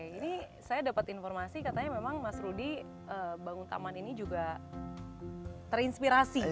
ini saya dapat informasi katanya memang mas rudy bangun taman ini juga terinspirasi